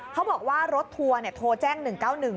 เขาบอกว่ารถทัวร์โทรแจ้ง๑๙๑